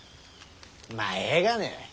まあええがね。